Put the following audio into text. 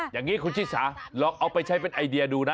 อย่างนี้คุณชิสาลองเอาไปใช้เป็นไอเดียดูนะ